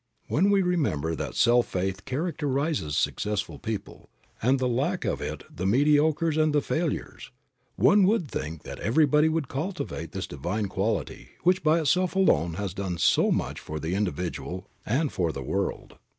When we remember that self faith characterizes successful people, and lack of it the mediocres and the failures, one would think that everybody would cultivate this divine quality which by itself alone has done so much for the individual and for the world.